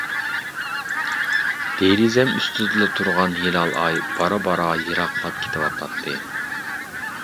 دېرىزەم ئۈستىدىلا تۇرغان ھىلال ئاي بارا-بارا يىراقلاپ كېتىۋاتاتتى.